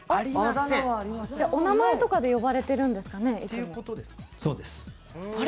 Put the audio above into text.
お名前とかで呼ばれているんですね？